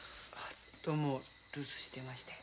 どうも留守してまして。